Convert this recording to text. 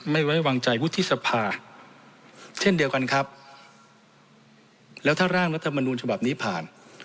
ไม่ไว้วางใจวุฒิสภาเช่นเดียวกันครับแล้วถ้าร่างรัฐมนูลฉบับนี้ผ่าน